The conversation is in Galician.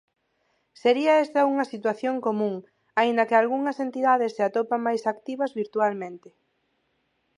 Sería esta unha situación común, aínda que algunhas entidades se atopan máis activas virtualmente.